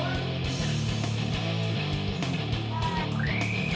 โอ้ยที่เลี้ยงไปแล้วแล้ว